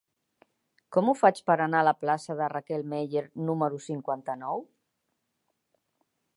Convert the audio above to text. Com ho faig per anar a la plaça de Raquel Meller número cinquanta-nou?